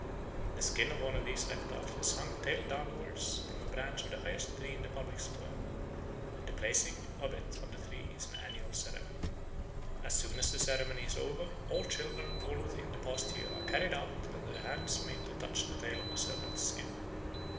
The skin of one of these reptiles is hung tail downwards from a branch of the highest tree in the public square, and the placing of it on the tree is an annual ceremony. As soon as the ceremony is over, all children born within the past year are carried out and their hands made to touch the tail of the serpent's skin.